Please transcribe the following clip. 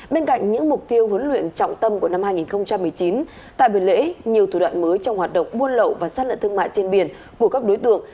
bên cạnh những mục tiêu huấn luyện trọng tâm của năm hai nghìn một mươi chín tại buổi lễ nhiều thủ đoạn mới trong hoạt động buôn lậu và sát lợn thương mại trên biển của các đối tượng